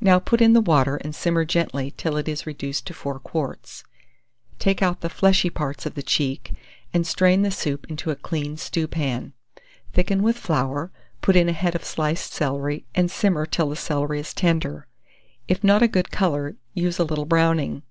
Now put in the water, and simmer gently till it is reduced to 4 quarts; take out the fleshy part of the cheek, and strain the soup into a clean stewpan; thicken with flour, put in a head of sliced celery, and simmer till the celery is tender. If not a good colour, use a little browning.